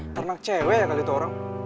ternak cewek ya kali itu orang